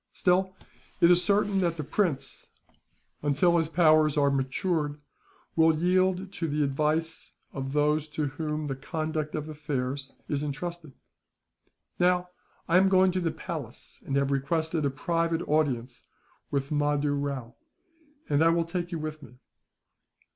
Still, it is certain that the prince, until his powers are matured, will yield to the advice of those to whom the conduct of affairs is entrusted. "Now, I am going to the palace, and have requested a private audience with Mahdoo Rao, and I will take you with me."